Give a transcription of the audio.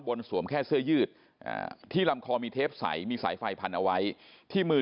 สวมแค่เสื้อยืดที่ลำคอมีเทปใสมีสายไฟพันเอาไว้ที่มือ